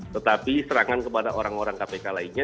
tetapi serangan kepada orang orang kpk lainnya